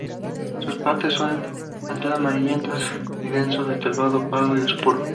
Sus partes son de anteado amarillentas con denso veteado pardo oscuro.